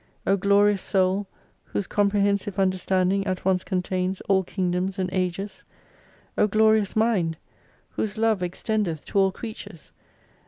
O Glorious Soul ; whose comprehensive understanding at once contains all Kingdoms and Ages ! O Glorious Mind ! Whose love extendeth to all creatures